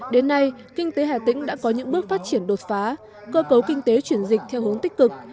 đến nay kinh tế hà tĩnh đã có những bước phát triển đột phá cơ cấu kinh tế chuyển dịch theo hướng tích cực